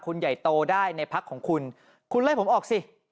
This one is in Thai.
คุณใหญ่โตได้ในพักของคุณคุณไล่ผมออกสิ